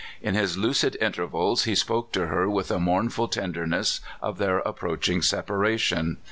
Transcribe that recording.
lu his lucid intervals he spoke to her with a mournful tenderness of their approaching separation.